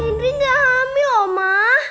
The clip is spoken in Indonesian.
indri gak hamil oma